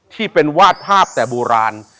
ที่เป็นวาดภาพแต่โบราณ